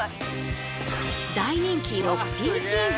大人気６Ｐチーズ。